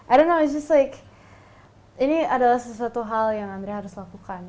i don't know it's just like ini adalah sesuatu hal yang andrea harus lakukan